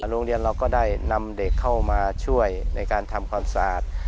โรงเรียนเราก็ได้นำเด็กเข้ามาช่วยในการทำความสะอาด